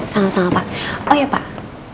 salam salam pak oh ya pak